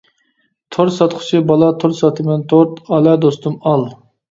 تورت ساتقۇچى بالا تورت ساتىمەن تورت، ئالە دوستۇم، ئال.